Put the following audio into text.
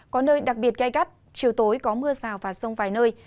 có nơi đặc biệt cay cắt chiều tối có mưa rào và rông vài nơi